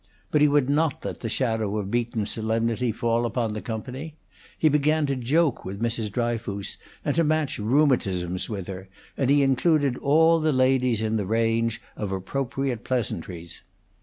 But he would not let the shadow of Beaton's solemnity fall upon the company. He began to joke with Mrs. Dryfoos, and to match rheumatisms with her, and he included all the ladies in the range of appropriate pleasantries.